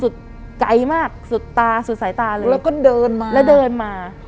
ไกลมากสุดตาสุดสายตาเลยแล้วก็เดินมาแล้วเดินมา